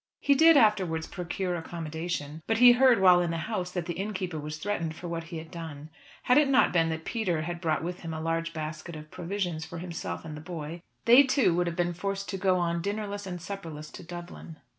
He did afterwards procure accommodation; but he heard while in the house, that the innkeeper was threatened for what he had done. Had it not been that Peter had brought with him a large basket of provisions for himself and the boy, they, too, would have been forced to go on dinnerless and supperless to Dublin.